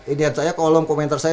ini yang saya kolom komentar saya